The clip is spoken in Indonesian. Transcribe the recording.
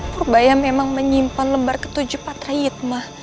purbaia memang menyimpan lembar ketujuh patra hitmah